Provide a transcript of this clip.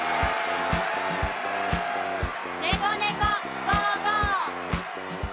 「ねこねこ５５」！